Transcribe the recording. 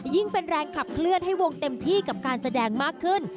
เป็นแรงขับเคลื่อนให้วงเต็มที่กับการแสดงมากขึ้น